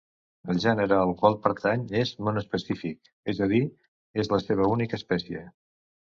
El gènere al qual pertany és monoespecífic, és a dir, és la seva única espècie.